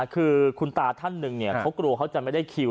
คือคุณตาท่านหนึ่งเขากลัวเขาจะไม่ได้คิว